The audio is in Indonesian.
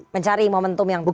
mencari momentum yang tepat